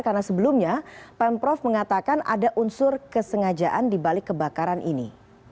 karena sebelumnya pemprov mengatakan ada unsur kesengajaan dibalik kebakaran ini